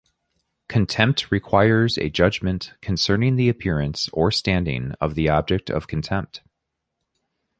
Contempt requires a judgment concerning the appearance or standing of the object of contempt.